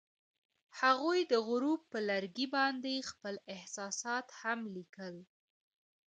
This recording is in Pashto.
هغوی د غروب پر لرګي باندې خپل احساسات هم لیکل.